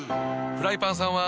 フライパンさんは。